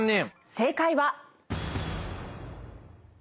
正解は。